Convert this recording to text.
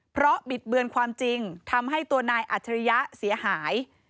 เพราะบิดเบือนความจริงทำให้ตัวนายอัจฉริยะเสียหาย